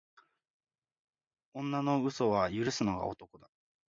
女の嘘は許すのが男だ